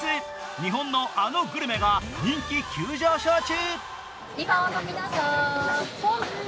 日本のあのグルメが人気急上昇中。